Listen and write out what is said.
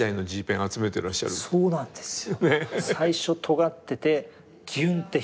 そうなんですよ。